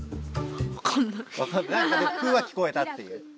なんかでも「く」は聞こえたっていう？